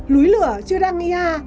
lúi lửa churangia